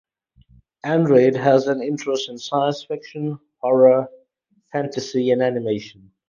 Andrade has an interest in science fiction, horror, fantasy and animation.